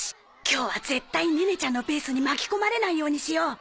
今日は絶対ネネちゃんのペースに巻き込まれないようにしよう！